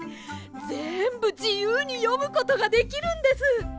ぜんぶじゆうによむことができるんです。